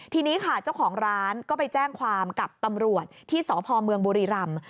ทีนี้ค่ะเจ้าของร้านก็ไปแจ้งความกับตำรวจที่สพเมืองบุรีรำ